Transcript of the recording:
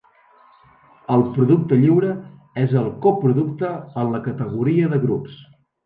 El producte lliure és el coproducte en la categoria de grups.